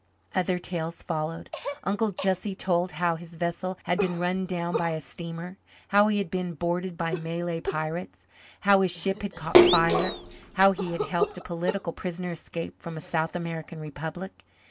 Other tales followed; Uncle Jesse told how his vessel had been run down by a steamer, how he had been boarded by Malay pirates, how his ship had caught fire, how he had helped a political prisoner escape from a South American republic.